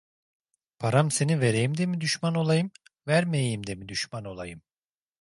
Param seni vereyim de mi düşman olayım, vermeyeyim de mi düşman olayım?